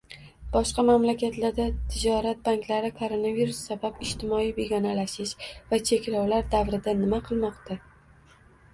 Boshqa mamlakatlarda tijorat banklari koronavirus sabab ijtimoiy begonalashish va cheklovlar davrida nima qilmoqda?